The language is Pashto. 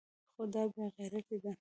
خو دا بې غيرتي ده.